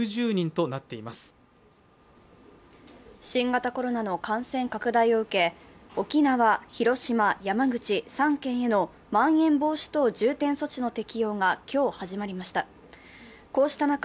新型コロナの感染拡大を受け沖縄・広島・山口３県へのまん延防止等重点措置の適用が今日始まりました。